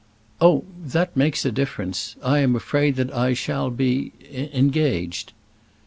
"Oh; that makes a difference. I am afraid that I shall be engaged."